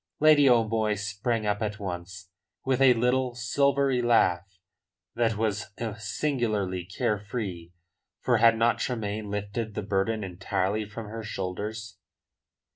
Lady O'Moy sprang up at once, with a little silvery laugh that was singularly care free; for had not Tremayne lifted the burden entirely from her shoulders?